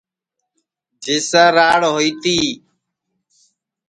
جس سے راڑ ہوئی تی